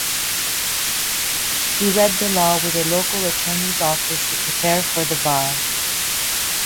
He "read the law" with a local attorneys' office to prepare for the bar.